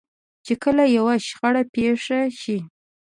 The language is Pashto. چې کله يوه شخړه پېښه شي.